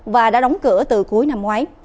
và đã đóng cửa từ cuối năm ngoái